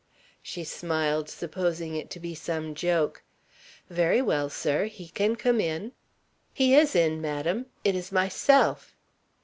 She smiled, supposing it to be some joke. "Very well, sir. He can come in!" "He is in, ma'am. It is myself."